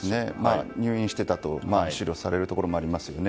入院していたと思慮されるところもありますね。